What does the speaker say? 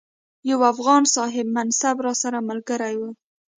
یو افغان صاحب منصب راسره ملګری وو.